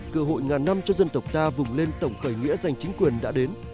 cửa hội ngàn năm cho dân tộc ta vùng lên tổng khởi nghĩa dành chính quyền đã đến